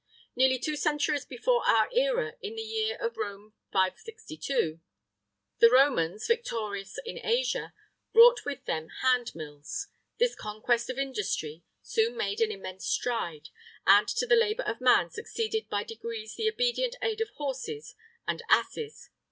Nearly two centuries before our era, in the year of Rome 562, the Romans, victorious in Asia, brought with them handmills.[III 19] This conquest of industry soon made an immense stride, and to the labour of man succeeded by degrees the obedient aid of horses and asses.